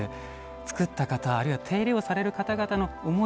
つくった方、あるいは手入れをされる方々の思い